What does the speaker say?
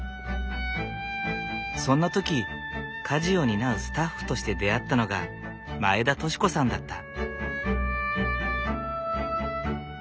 そんな時家事を担うスタッフとして出会ったのが前田敏子さんだった。